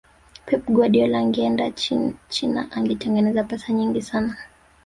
pep guardiola angeenda china angetengeneza pesa nyingi sana